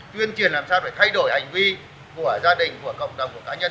tuyên truyền làm sao để thay đổi hành vi của gia đình của cộng đồng của cá nhân